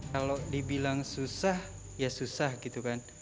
kalau dibilang susah ya susah gitu kan